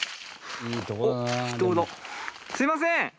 すいません！